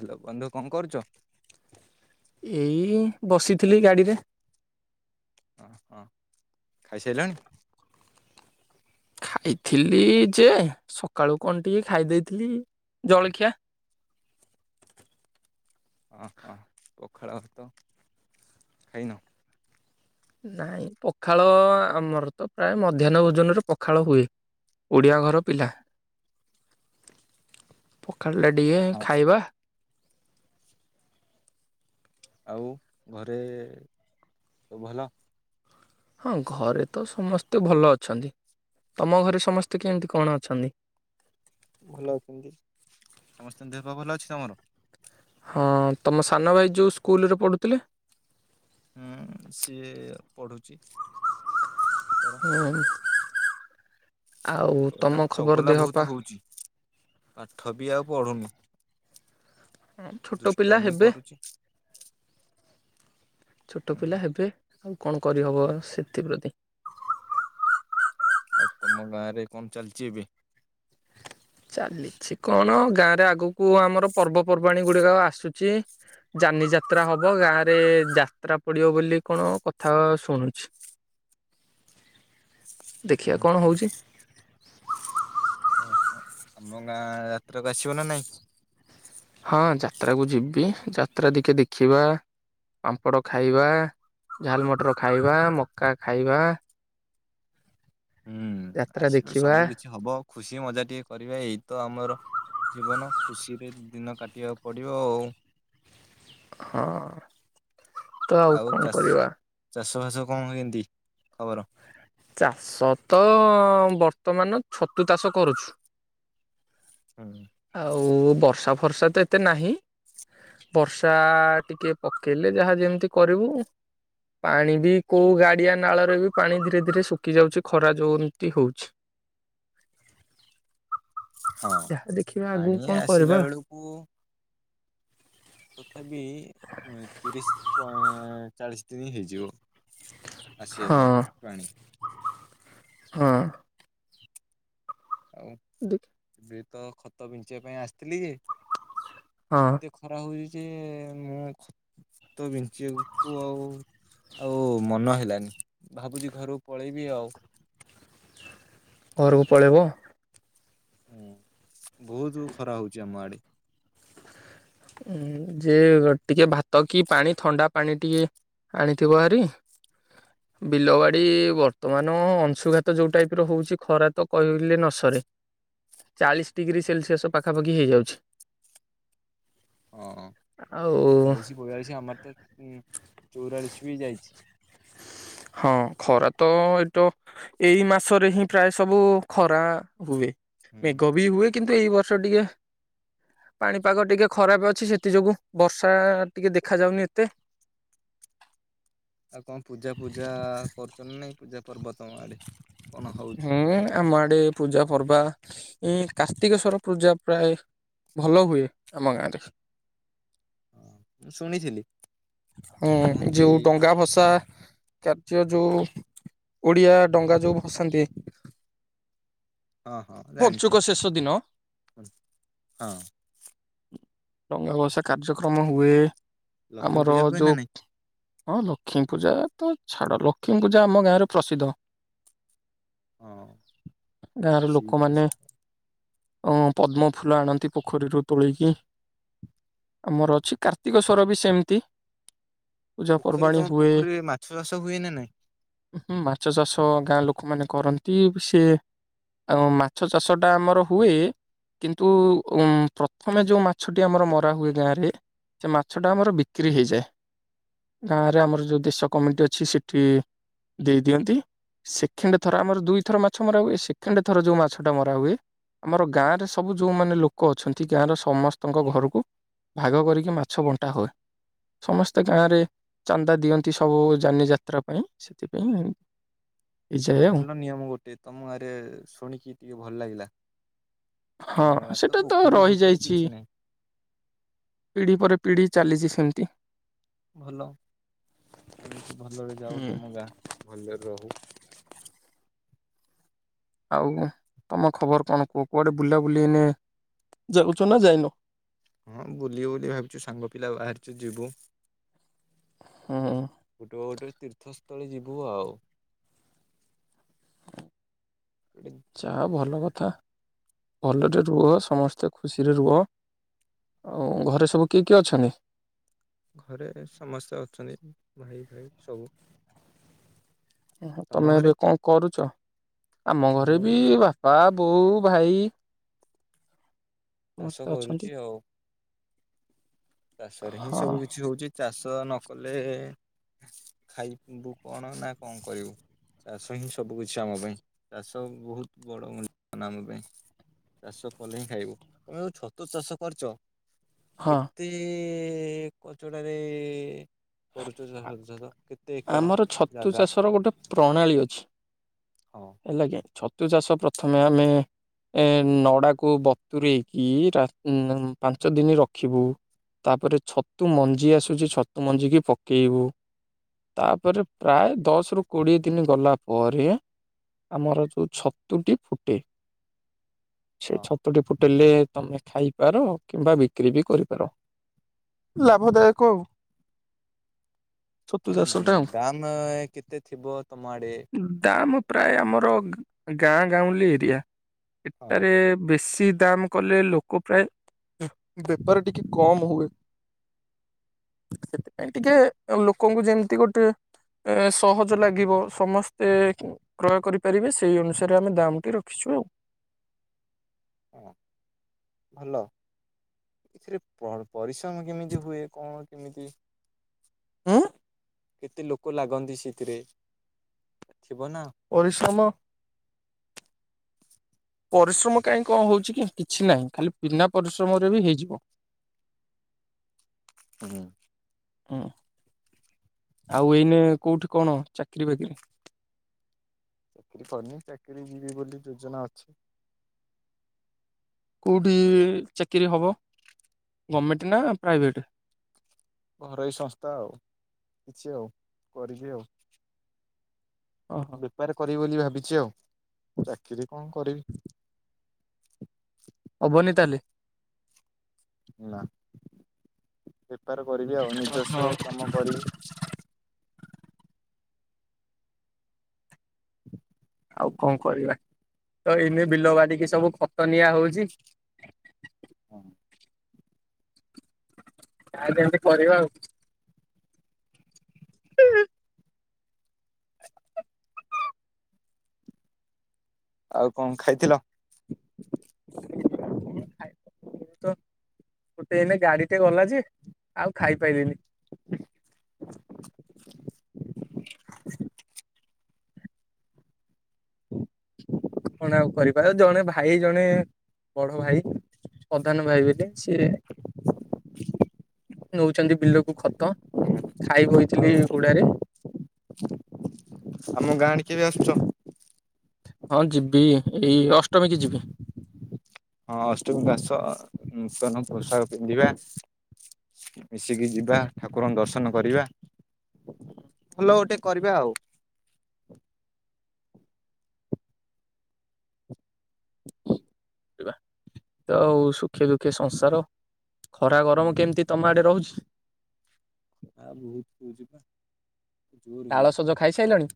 Hello ବନ୍ଧୁ କଣ କରୁଛ? ଏଇ ବସିଥିଲି ଗାଡିରେ। ଓ ହଁ ଖାଇସାରିଲାଣି? ଖାଇଥିଲି ଯେ ସକାଳୁ କଣ ଟିକେ ଖାଇ ଦେଇଥିଲି ଜଳଖିଆ। ଅ ହ ପଖାଳ ଭାତ ଖାଇନ? ନାଇଁ ପଖାଳ ଆମର ତ ପ୍ରାୟ ମଧ୍ୟାହ୍ନ ଭୋଜନରେ ପଖାଳ ହୁଏ। ଓଡ଼ିଆ ଘର ପିଲା। [unintelligible] ପଖାଳ ଲେଡିଏ ହଁ ଖାଇବା। ଆଉ ଘରେ ସବୁ ଭଲ? ହଁ ଘରେ ତ ସମସ୍ତେ ଭଲ ଅଛନ୍ତି, ତମ ଘରେ ସମସ୍ତେ କେମିତି କଣ ଅଛନ୍ତି? ଭଲ ଅଛନ୍ତି, ସମସ୍ତଙ୍କ ଦେହ ପା ଭଲ ଅଛି ତମର? ହଁ ତମ ସାନ ଭାଇ ଯେଉଁ ସ୍କୁଲରେ ପଢ଼ୁଥିଲେ। ହୁଁ ସିଏ ପଢୁଛି। ଆଉ ଛୁଆଟା ତମ ଖବର ଚଗଲା ଦେହ ବହୁତ ପା? ହଉଛି। ପାଠ ବି ଆଉ ପଢୁନି ଛୋଟ ପିଲା ଦୁଷ୍ଟାମି ହେବେ କରୁଛି। ଛୋଟ ହୁଁ ପିଲା ହେବେ ଆଉ କଣ କରିହବ ସେଥିପ୍ରତି। ଆଉ ତମ ଗାଁରେ କଣ ଚାଲିଛି ଏବେ? ଚାଲିଛି କଣ ଗାଁରେ ଆଗକୁ ଆମର ପର୍ବପର୍ବାଣି ଗୁଡିକ ଆସୁଛି। ଯାନି ଯାତ୍ରା ହବ ଗାଁ ରେ ଯାତ୍ରା ପଡିବ ବୋଲି କଣ କଥା ଶୁଣୁଛି। [unintelligible] ହୁଁ ଦେଖିଆ କଣ ହଉଛି। ହ ଆମ ଗାଁ ଯାତ୍ରାକୁ ଆସିବ ନା ନାଇଁ? ହଁ ଯାତ୍ରାକୁ ଯିବି ଯାତ୍ରା ଟିକେ ଦେଖିବା। ପାମ୍ପଡ଼ ଖାଇବା ଝାଲ ମଟର ଖାଇବା ମକା ଖାଇବା। ହୁଁ ଯାତ୍ରା ଆସିବ ଦେଖିବା ସବୁ କିଛି ହବ ଖୁସି ମଜା ଟିକେ କରିବେ ଏଇତ ଆମର ଜୀବନ ଖୁସିରେ ଦିନ କାଟିବାକୁ ପଡ଼ିବ ଆଉ। ହଁ। ତ ଆଉ କଣ ଚାସ୍ କରିବା ଚାଷ ବାସ କଣ କେମିତି ଖବର? ଚାଷ ତ ବର୍ତ୍ତମାନ ଛତୁ ଚାଷ କରୁଛୁ। ହୁଁ। ଆଉ ବର୍ଷା ଫର୍ଷା ତ ଏତେ ନାହିଁ। ବର୍ଷା ଟିକେ ପକେଇଲେ ଯାହା ଯେମିତି କରିବୁ। ପାଣି ବି କୋଉ ଗାଡିଆ ନାଳରେ ବି ପାଣି ଧୀରେ ଶୁଖି ଯାଉଛି ଖରା ଯେଉମିତି ହଉଛି। ହଁ ଯାହା ଦେଖିବା ଆଗକୁ ପାଣି କଣ କରିବା ଆସିଲା ବେଳକୁ। ତଥାପି ଏଇ ତିରିଶି ଆଁ ଚାଳିଶି ଦିନ ହେଇଯିବ। ହଁ ଆସିବା ପାଇଁ ପାଣି। ହଁ। ଆଉ। ଦେଖ ଏବେ ତ ଖତ ବିଞ୍ଚିବା ପାଇଁ ଆସିଥିଲି ହଁ ଏତେ ଖରା ହଉଛି ଯେ ମୁଁ ଖ ତ ବିଞ୍ଚିବା କୁ ଆଉ ଆଉ ମନ ହେଲାନି ଭାବୁଛି ଘରକୁ ପଳେଇବି ଆଉ। ଘରକୁ ପଳେଇବ। ହୁଁ ବହୁତୁ ଖରା ହଉଛି ଆମ ଆଡ଼େ। ଉଁ ଯେ ଟିକେ ଭାତ କି ପାଣି ଥଣ୍ଡା ପାଣି ଟିକେ ଆଣିଥିବ ହାରି [inaudible] ବିଲ ବଡ଼ି ବର୍ତ୍ତମାନ ଅଂଶୁଘାତ ଯୋଉ ଟାଇପ୍ ର ହଉଛି ଖରା ତ କହିଲେ ନ ସରେ। ଚାଳିଶ ଡିଗ୍ରୀ ସେଲ୍ସିୟସ୍ ପାଖାପାଖି ହେଇଯାଉଛି। ହଁ। ଆଉ ବୟାଳିଶ ଆମର ତ ଉ ଚଉରାଳିଶ ବି ଯାଇଛି। ହଁ ଖରା ତ ଏତ ଏଇ ମାସରେ ହିଁ ପ୍ରାୟ ସବୁ ଖରା ହୁଏ। ହୁଁ ମେଘ ବି ହୁଏ କିନ୍ତୁ ଏଇ ବର୍ଷ ଟିକେ ପାଣିପାଗ ଟିକେ ଖରାପ ଅଛି ସେଥି ଯୋଗୁ ବର୍ଷା ଟିକେ ଦେଖାାଯାଉନି ଏତେ। ଆଉ କଣ ପୂଜା ପୂଜା କରୁଚ ନା ନାଇଁ ପୂଜା ପର୍ବ ତମ ଆଡ଼େ କଣ ହଉଛି? ହୁଁ ଆମ ଆଡ଼େ ପୂଜା ପର୍ବା ଏ କାର୍ତ୍ତିକେଶ୍ଵର ପୂଜା ପ୍ରାୟେ ଭଲ ହୁଏ ଆମ ଗାଁ ରେ। ହଁ ଶୁଣିଥିଲି। ହଁ କୁହନ୍ତି ଯେଉ ଡଙ୍ଗା ଭସା [unintelligible] ଯଉ ଓଡ଼ିଆ ଡଙ୍ଗା ଯୋଉ ଭସାନ୍ତି। ହଁ, ହଁ ପଞ୍ଚୁକ ଜାଣିଛି ଶେଷ ଦିନ ହଁ। ଡଙ୍ଗା ଭସା କାର୍ଯ୍ୟକ୍ରମ ହୁଏ ଲକ୍ଷ୍ମୀ ଆମର ପୂଜା ହୁଏ ନା ଯଉ ନାଇଁ? ହଁ ଲକ୍ଷ୍ମୀ ପୂଜା ତ ଛାଡ଼ ଲକ୍ଷ୍ମୀ ପୂଜା ଆମ ଗାଁ ରେ ପ୍ରସିଦ୍ଧ। ହଁ ସେଇ ପ୍ରସିଦ୍ଧ ଅଁ ପଦ୍ମ ଫୁଲ ଆଣନ୍ତି ପୋଖରୀରୁ ତୋଳିକି। ଆମର ଅଛି କାର୍ତ୍ତିକସ୍ୱର ବି ସେମିତି ପୂଜା ପୋଖରୀ ପର୍ବାଣୀ ତମ ହୁଏ ପୋଖରୀ ରେ ମାଛ ଚାଷ ହୁଏ ନା ନାଇଁ? ହୁଁ ମାଛ ଚାଷ ଗାଁ ଲୋକମାନେ କରନ୍ତି ସିଏ ଆଉ ମାଛ ଚାଷଟା ଆମର ହୁଏ କିନ୍ତୁ ଉଁ ପ୍ରଥମେ ଯୋଉ ମାଛଟି ଆମର ମରା ହୁଏ ଗାଁ ରେ ସେ ମାଛ ଟା ଆମର ବି କ୍ରି ହେଇଯାଏ ହଁ। ଗାଁରେ ଆମର ଯଉ ଦେଶ କମିଟି ଅଛି ସେଠି ଦେଇ ଦିଅନ୍ତି। ସେଖେଣ୍ଡ ଥର ଆମର ଦୁଇଥର ମାଛ ମରା ହୁଏ ସେଖେଣ୍ଡ ଥର ଯୋଉ ମାଛ ଟା ମରା ହୁଏ ଆମର ଗାଁ ରେ ସବୁ ଯୋଉମାନେ ଲୋକ ଅଛନ୍ତି ଗାଁର ସମସ୍ତଙ୍କ ଘରକୁ ଭାଗ କରିକି ମାଛ ବଣ୍ଟା ହୁଏ। ସମସ୍ତେ ଗାଁ ରେ ଚାନ୍ଦା ଦିଅନ୍ତି ସବୁ ଯାନି ଯାତ୍ରା ପାଇଁ ସେଥିପାଇଁ ଏତେ ହେଇଯାଏ ଆଉ। ଭଲ ନିୟମ ଗୋଟେ ତମ ଗାଁ ରେ ଶୁଣିକି ଟିକେ ଭଲ ଲାଗିଲା। ହଁ ଆମ ଗାଁ ସେଟା ତ ପୋଖରୀ ଫୋଖରୀ ରହିଯାଇଛି। କିଛି ନାହିଁ ପିଢ଼ି ପରେ ପିଢ଼ି ଚାଲିଛି ସେମତି। ଭଲ ଏମିତି ଭଲରେ ଯାଉ ହୁଁ। ତମ ଗାଁ ଭଲରେ ରହୁ। ଆଉ ତମ ଖବର କଣ କୁହ କୁଆଡ଼େ ବୁଲା ବୁଲି ଏଇନେ ଯାଉଛ ନା ଯାଇନ? ହଁ ବୁଲି- ବୁଲି ଭାବିଛୁ ସାଙ୍ଗ ପିଲା ବାହାରିଛୁ ଯିବୁ। ହୁଁ। ଗୋଟେ ଗୋଟରେ ତୀର୍ଥସ୍ଥଳୀ ଯିବୁ ଆଉ। [unintelligible] ଚା ଭଲ କଥା ଭଲରେ ରୁହ ସମସ୍ତେ ଖୁସିରେ ରୁହ। ଆଉ ଘରେ ସବୁ କିଏ କିଏ ଅଛନ୍ତି? ଘରେ ସମସ୍ତେ ଅଛନ୍ତି। ଭାଇ ଭାଇ ସବୁ। ତମ ତମେ ଘରେ? ଏବେ କଣ କରୁଛ? ଆମ ଘରେ ମୁଁ ବି ବାପା ବୋଉ ଭାଇ ଚାଷ ସମସ୍ତେ ଅଛନ୍ତି। କରୁଛି ଆଉ। ଚାଷରେ ହିଁ ସବୁ ହଁ କିଛି ହଉଛି, ଚାଷ ନ କଲେ ଖାଇବୁ କଣ ନା କଣ କରିବୁ? ଚାଷ ହିଁ ସବୁ କିଛି ଆମ ପାଇଁ। ଚାଷ ବହୁତ ବଡ ମୂଲ୍ୟବାନ ଆମ ପାଇଁ। ଚାଷ କଲେ ହିଁ ଖାଇବୁ। ତମେ ଛତୁ ଚାଷ କରିଛ ହଁ କେତେ କଚଡାରେ କରୁଛୁ [unintelligible] କେତେ ଏକର ଆମର ଛତୁ ଜାଗା। ଚାଷର ଗୋଟେ ପ୍ରଣାଳୀ ଅଛି। ହଁ। ହେଲାଗି, ଛତୁ ଚାଷ ପ୍ରଥମେ ଆମେ ଏ ନଡ଼ାକୁ ବତୁରେଇକି ରାତ ପାଞ୍ଚ ଦିନ ରଖିବୁ। ତାପରେ ଛତୁ ମଞ୍ଜି ଆସୁଛି, ଛତୁ ମଞ୍ଜିିକି ପକେଇବୁ। ତାପରେ ପ୍ରାୟ ଦଶ ରୁ କୋଡିଏ ଦିନ ଗଲା ପରେ ଆମର ଯୋଉ ଛତୁଟି ଫୁଟେ [inaudible] ସେ ଛତୁଟି ଫୁଟେଲେ ତମେ ଖାଇପାର, କିମ୍ବା ବିକ୍ରି ବି କରିପାର। ଲାଭଦାୟକ ଆଉ। ଛତୁ ଏଥର ଚାଷଟା ଆଉ ଦାମ କେତେ ଥିବ ତମ ଆଡେ? ଦାମ ପ୍ରାୟ ଆମର ଗାଁ ଗାଉଁଲି ଏରିଆ। ହଁ ଏଠାରେ ବେଶୀ ଦାମ କଲେ ଲୋକ ପ୍ରାୟ ବେପାର ଟିକେ କମ ହୁଏ। ସେଥିପାଇଁ ଟିକେ ଲୋକଙ୍କୁ ଯେମିତି ଗୋଟେ ଏ ସହଜ ଲାଗିବ। ସମସ୍ତେ କ୍ରୟ କରିପାରିବେ ସେଇ ଅନୁସାରେ ଆମେ ଦାମ ଟି ରଖିଛୁ ଆଉ। ହଁ ଭଲ। ଏଥିରେ ପ ପରିଶ୍ରମ କେମିତି ହୁଏ କଣ? ଆଁ କେତେ ଲୋକ ଲାଗନ୍ତି ସେଥିରେ ଥିବ ନା? ପରିଶ୍ରମ ପରିଶ୍ରମ କାହିଁ କଣ ହଉଛି କି କିଛି ନାହିଁ ଖାଲି ବିନା ପରିଶ୍ରମରେ ବି ହେଇଯିବ। ହୁ [unintelligible] ହୁଁ ଆଉ ଏଇନେ କୋଉଠି କଣ ଚାକିରି ବାକିରି। କରିନି ଚାକିରି ଯିବି ବୋଲି ଯୋଜନା ଅଛି। କେଉଁଠି ଚାକିରି ହେବ? ଗଭର୍ଣ୍ଣମେଣ୍ଟ ନା ପ୍ରାଇଭେଟ୍। ଘରୋଇ ସଂସ୍ଥା ଆଉ, କିଛି ଆଉ କରିବି ଆଉ। ଓହୋ। ବେପାର କରିବି ବୋଲି ଭାବିଛି ଆଉ। ଚାକିରି କଣ କରିବି। ହବନି ତାହେଲେ। ନା ବେପାର କରିବି। ଆଉ ନିଜସ୍ୱ ଓହୋ କାମ କରିବି। [inaudible] ଆଉ କଣ କରିବା, ତ ଏଇନେ ବିଲ ବାଡିକି ସବୁ ଖତ ନିଆ ହଉଛି। ହଁ। ଯା ହେଲେ ଆମେ କରିବା ଆଉ। [inaudible] [unintelligible] [inaudible] ଆଉ କଣ ଖାଇଥିଲ? ମୁଁ ଖାଏ ଏବେତ ଗୋଟେ ଏନେ ଗାଡିଟେ ଗଲା ଯେ ଆଉ ଖାଇପାଇଲିିନି। କଣ ଆଉ କରିପାର ଜଣେ ଭାଇ ଜଣେ ବଡ ଭାଇ। ପ୍ରଧାନ ଭାଇ ବୋଲି ସିଏ ନଉଚନ୍ତି ବିଲକୁ ଖତ ଖାଇ ଆଉ ବହିଥିଲି ହୁଡାରେ। ଆମ ଗାଁରେ ଆଡ଼େ କେବେ ଆସୁଚ। ହଁ ଯିବି ଏଇ ଅଷ୍ଟମୀ କି ଯିବି। ହଁ ଅଷ୍ଟମୀ କୁ ଆସ ନୂତନ ପୋଷାକ ପିନ୍ଧିବା। ମିଶିକି ଯିବା ହୁଁ ଠାକୁରଙ୍କ ଦର୍ଶନ କରିବା। ହ ଫୁଲ ଗୋଟେ କରିବା ଆଉ। ଇବା ତ ଆଉ ସୁଖେ ଦୁଃଖଆ ସଂସାର। ଖରା ଗରମ କେମିତି ତମ ଆଡେ ରହୁଛି? ଆ ବୁହୁତ କୁଜିବା। ତାଳସଜ ଖାଇସାଇଲଣି?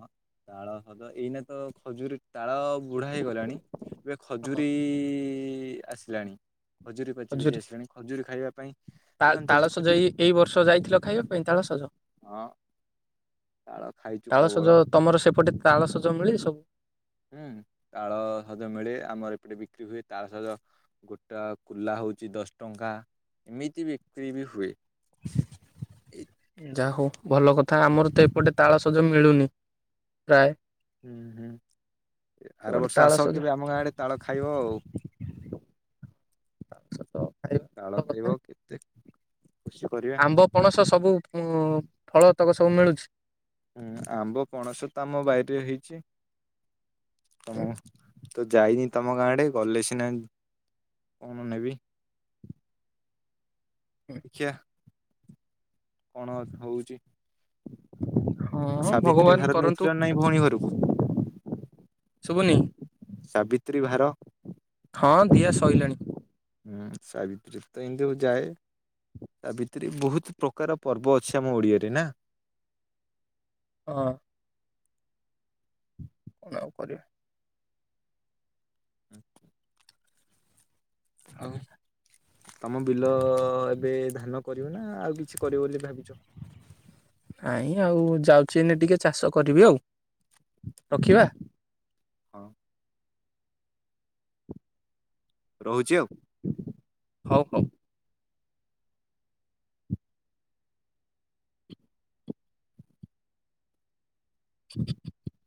ହଁ ତାଳ ହଦ ଏଇନା ତ ଖଜୁରୀ ତାଳ ବୁଢା ହେଇଗଲାଣି ଏବେ ହଁ ଖଜୁରୀ ଆସିଲାଣି। ଖଜୁର ପାଚି ପାଚି ଆସିଲାଣି ଖଜୁରୀ ଖାଇବା ପାଇଁ ତାଲ ଦୋକାନ ଚାଲିଛି ତାଳସଜ ଖଜୁରୀ ଏଇ ଏଇ ବର୍ଷ ଯାଇଥିଲ ଖାଇବା ପାଇଁ ତାଳସଜ? ହଁ ତାଳ ଖାଇଚୁ ତାଳସଜ ପ୍ରବଳ। ତମର ସେପଟେ ତାଳସଜ ମିଳେ ସବୁ? ହୁଁ ତାଳ ସଜ ମିଳେ ଆମର ଏପଟେ ବିକ୍ରି ହୁଏ ତାଳ ସଜ ଗୋଟା କୁଲା ହୋଉଚି ଦଶ ଟଙ୍କା ଏମିତି ବିକ୍ରି ବି ହୁଏ। ଏଇ ଯା ହଉ ଭଲ କଥା ଆମର ତ ଏପଟେ ତାଳସଜ ମିଳୁନି। ପ୍ରାୟ ହୁଁ ହୁଁ ଏ ଆର ସେପଟେ ବର୍ଷ ଆସ ତାଳସଜ କେବେ ଆମ ଗାଁ ଆଡେ ତାଳ ଖାଇବ ଆଉ। ଆଛ ତ। ଖାଇବା ତାଳ ଭଲ କଥା ଖାଇବ କେତେ ଖୁସି କରି ଆମ୍ବ ପଣସ ସବୁ ପୁ ଫଳ ତକ ସବୁ ମିଳୁଛି? ହୁଁ ଆମ୍ବ ପଣସ ତାମ ବାଇରେ ହେଇଛି। ତମ ତ ଯାଇନି ତମ ଗାଁ ଆଡ଼େ ଗଲେ ସିନା କଣ ନେବି। ଦେଖିଆ କଣତ୍ ହଉଚି? ଆଉ ହଁ ସାବିତ୍ରୀ ଭଗବାନ ଭାରେ କରନ୍ତୁ ନେଇଥିଲ ନାଇଁ ଭଉଣୀ ଘରକୁ? ଶୁଭୁନି? ସାବିତ୍ରୀ ଭାର? ହଁ ଦିଆ ସଇଲାଣି। ହୁଁ ସାବିତ୍ରୀ ତ ଇନ୍ଦୁ ଯାଏ ତାବିତ୍ରି ବହୁତ ପ୍ରକାର ପର୍ବ ଅଛି ଆମ ଓଡିଆରେ ନା? ଅ କଣ ଆଉ କରିବା। ହୁଁ ଆଉ? ତମ ବିଲ ଏବେ ଧାନ କରିବ ନା ଆଉ କିଛି କରିବ ବୋଲି ଭାବିଚ? ନାଇଁ ଆଉ ଯାଉଚି ଏନେ ଟିକେ ଚାଷ କରିବି ଆଉ। ଆ ରଖିବା ହଁ। ରହୁଚି ଆଉ। ହଉ ହଉ। [unintelligible]